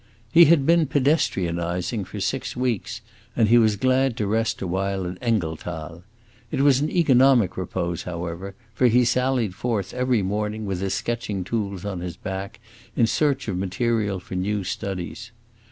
He had been pedestrianizing for six weeks, and he was glad to rest awhile at Engelthal. It was an economic repose, however, for he sallied forth every morning, with his sketching tools on his back, in search of material for new studies.